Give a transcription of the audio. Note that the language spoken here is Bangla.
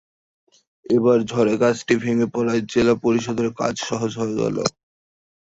এবার ঝড়ে গাছটি ভেঙে পড়ায় জেলা পরিষদের কাজ সহজ হয়ে গেল।